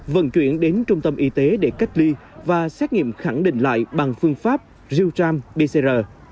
vận chuyển đến trung tâm y tế để cách ly và xét nghiệm khẳng định lại bằng phương pháp rio tram bcr